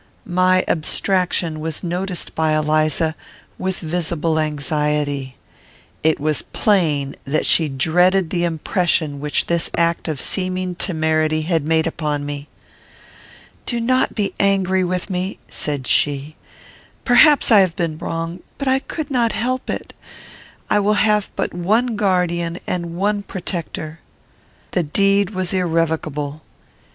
My abstraction was noticed by Eliza with visible anxiety. It was plain that she dreaded the impression which this act of seeming temerity had made upon me. "Do not be angry with me," said she; "perhaps I have been wrong, but I could not help it. I will have but one guardian and one protector." The deed was irrevocable.